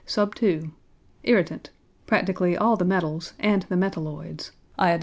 2. Irritant practically all the metals and the metalloids (I.